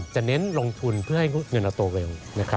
เน้นลงทุนเพื่อให้เงินเราโตเร็ว